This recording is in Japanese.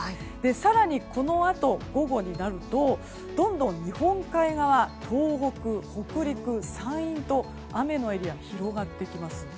更にこのあと午後になるとどんどん日本海側東北、北陸、山陰と雨のエリアが広がってきます。